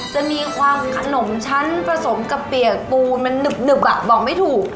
จะมีความขนมชั้นผสมกับเปียกปูนมันหนึบบอกไม่ถูก